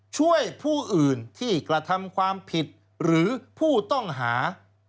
ผู้อื่นที่กระทำความผิดหรือผู้ต้องหา